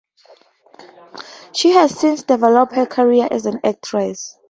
She has since developed her career as an actress.